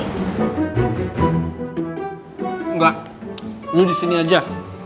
enggak lo disini aja